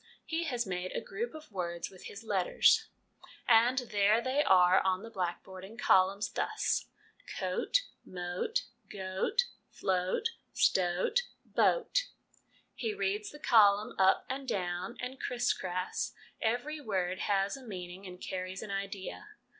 He has made a group of words with his letters, and there they are on the black board in a column, thus c oat m oat g oat fl oat st oat b oat He reads the column up and down and cris cras; every word has a meaning and carries an idea.